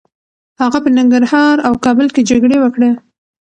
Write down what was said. هغه په ننګرهار او کابل کي جګړې وکړې.